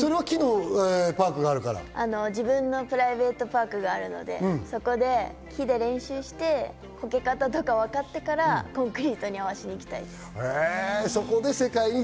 はい、自分のプライベートパークがあるので、木で練習してこけ方が分かったらコンクリートに合わせに行きたいです。